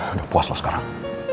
udah puas lo sekarang